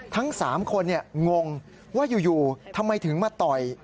ทั้ง๓คนงงว่าอยู่ทำไมถึงมาต่อย